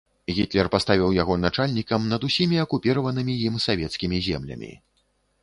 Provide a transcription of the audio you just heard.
Гітлер паставіў яго начальнікам над усімі акупіраванымі ім савецкімі землямі.